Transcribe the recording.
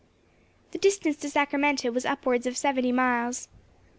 The distance to Sacramento was upwards of seventy miles.